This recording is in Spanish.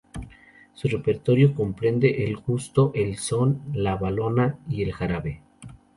Su repertorio comprende el gusto, el son, la valona y el jarabe.